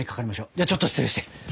ではちょっと失礼して。